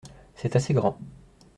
C’est assez grand.